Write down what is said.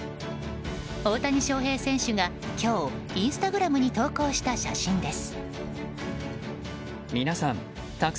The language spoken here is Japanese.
大谷翔平選手が今日、インスタグラムに投稿した写真です。